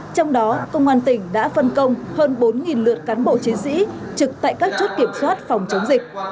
trong đó công an tỉnh đã phân công hơn bốn lượt cán bộ chiến sĩ trực tại các chốt kiểm soát phòng chống dịch